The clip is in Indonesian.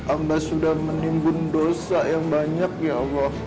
ambas sudah menimbun dosa yang banyak ya allah